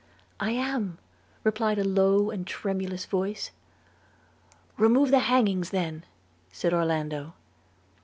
'I am,' replied a low and tremulous voice. 'Remove the hangings then,' said Orlando.